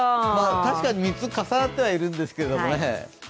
確かに３つ重なってはいるんですけどね。